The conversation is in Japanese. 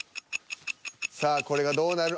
さあこれがどうなる。